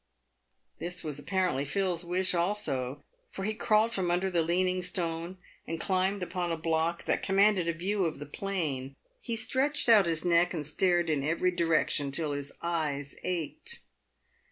This was apparently Phil's wish also, for he crawled from under the leaning stone, and climbed upon a block that commanded a view of the plain. He stretched out his neck and stared in every direction till his eyes ached.